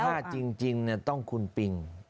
ถ้าจริงจริงเนี่ยต้องคุณปิง